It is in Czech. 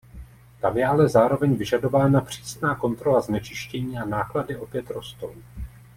Tam je ale zároveň vyžadována přísná kontrola znečištění a náklady opět rostou.